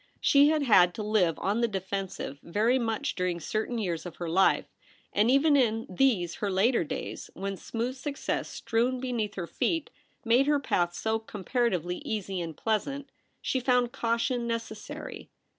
She had had to live on the defensive very much during certain years of her life, and even in these her later days, when smooth success strewn 28o THE REBEL ROSE. beneath her feet made her path so compara tively easy and pleasant, she found caution necessary.